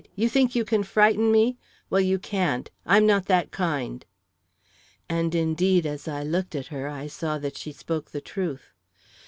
"You think you can frighten me! Well, you can't! I'm not that kind." And, indeed, as I looked at her, I saw that she spoke the truth.